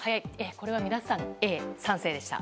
これは皆さん、Ａ、賛成でした。